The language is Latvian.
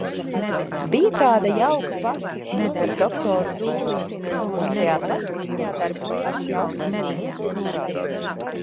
Bija tāda jauka pasaciņa par doktoru Dūlitlu, un šajā pasaciņā darbojās jauks dzīvnieciņš.